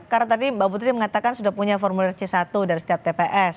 karena tadi mbak putri mengatakan sudah punya formulir c satu dari setiap tps